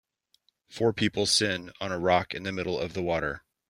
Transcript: Four people sin on a rock in the middle of the water.